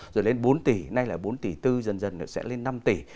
rồi lên bốn tỷ nay là bốn tỷ tư dần dần sẽ lên năm tỷ